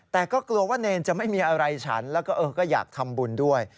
แต่ก็กลัวว่าเนรจะไม่มีอะไรฉันแล้วก็เออก็อยากทำบุญด้วย